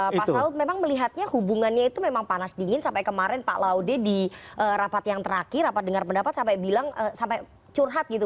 pak saud memang melihatnya hubungannya itu memang panas dingin sampai kemarin pak laude di rapat yang terakhir rapat dengar pendapat sampai bilang sampai curhat gitu